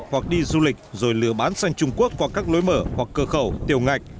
hoặc đi du lịch rồi lừa bán sang trung quốc qua các lối mở hoặc cơ khẩu tiểu ngạch